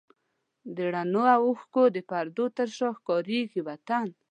د رڼو اوښکو د پردو تر شا ښکارېږي وطن